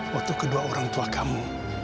waktu kedua orang tua kamu